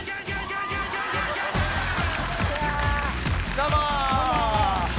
どうも。